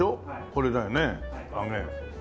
これだよね揚げ。